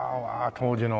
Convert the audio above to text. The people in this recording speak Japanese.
当時の。